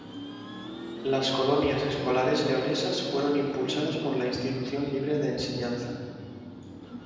Las Colonias Escolares Leonesas fueron impulsadas por la Institución Libre de Enseñanza.